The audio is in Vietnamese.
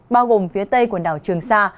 bao gồm phía tây quần đảo trường sa